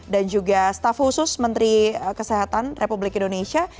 dan juga staff khusus menteri kesehatan republik indonesia